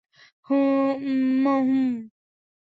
ম্ম, হুম।